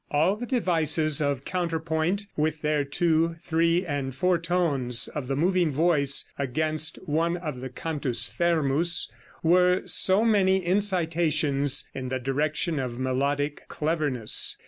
All the devices of counterpoint, with their two, three and four tones of the moving voice against one of the cantus fermus, were so many incitations in the direction of melodic cleverness.